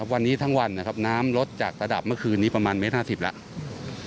วันนี้ทั้งวันนะครับน้ำลดจากระดับเมื่อคืนนี้ประมาณเมตร๕๐แล้ว